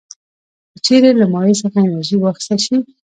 که چیرې له مایع څخه انرژي واخیستل شي.